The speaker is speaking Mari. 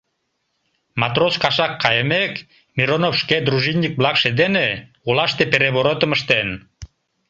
Матрос кашак кайымек, Миронов шке дружинник-влакше дене олаште переворотым ыштен.